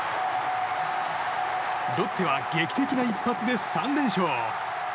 ロッテは劇的一発で３連勝。